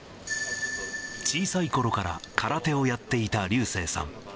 小さいころから空手をやっていた流星さん。